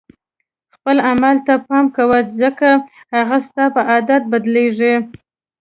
خپل عمل ته پام کوه ځکه هغه ستا په عادت بدلیږي.